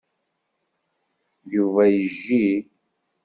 Yuba yejji.